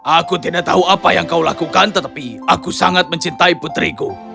aku tidak tahu apa yang kau lakukan tetapi aku sangat mencintai putriku